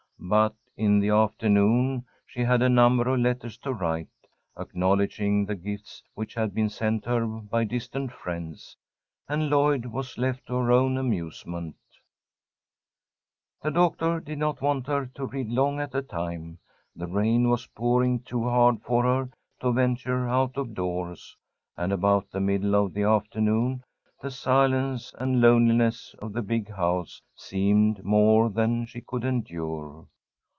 But in the afternoon she had a number of letters to write, acknowledging the gifts which had been sent her by distant friends, and Lloyd was left to her own amusement. [Illustration: "ONE OF THE BOYS HAD DARED HIM TO CARRY IT."] The doctor did not want her to read long at a time. The rain was pouring too hard for her to venture out of doors, and about the middle of the afternoon the silence and loneliness of the big house seemed more than she could endure.